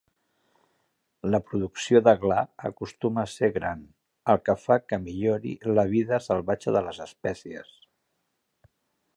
La producció de gla acostuma a ser gran, el que fa que millori la vida salvatge de les espècies.